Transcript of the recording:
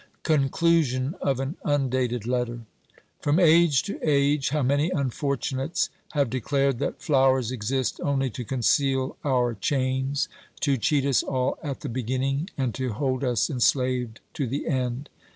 Conclusion of an undated letter. From age to age, how many unfortunates have declared that flowers exist only to conceal our chains, to cheat us all at the beginning and to hold us enslaved to the end.